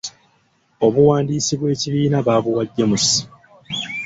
Obuwandiisi bw'ekibiina baabuwa James.